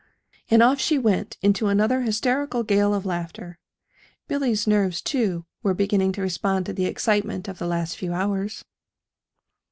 And off she went into another hysterical gale of laughter Billy's nerves, too, were beginning to respond to the excitement of the last few hours.